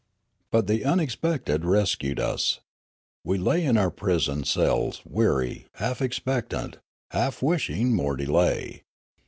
But the unexpected rescued us. We lay in our prison cells, weary, half expectant, half wishing more delay.